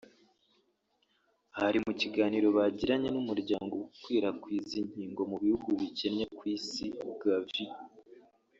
Hari mu kiganiro bagiranye n’Umuryango ukwirakwiza inkingo mu bihugu bikennye ku Isi (Gavi)